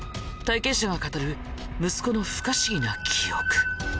体験者が語る息子の不可思議な記憶。